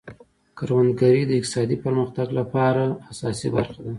کروندګري د اقتصاد د پرمختګ لپاره اساسي برخه ده.